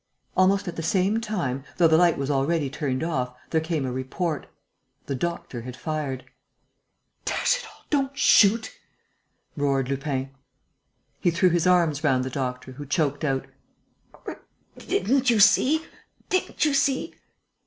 Almost at the same time, though the light was already turned off, there came a report: the doctor had fired. "Dash it all, don't shoot!" roared Lupin. He threw his arms round the doctor, who choked out: "Didn't you see?... Didn't you see?...